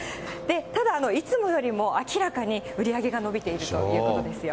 ただ、いつもよりも明らかに売り上げが伸びているということですよ。